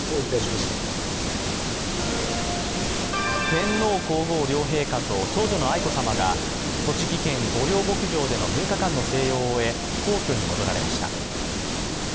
天皇皇后両陛下と長女の愛子さまが栃木県・御料牧場での６日間の静養を終え、皇居に戻られました。